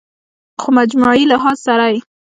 خو مجموعي لحاظ سره ئې